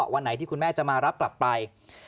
วันไหนที่คุณแม่จะมารับกลับไป